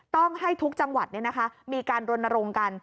ต้องให้ทุกจังหวัดเนี่ยนะคะมีการรณรงค์กัน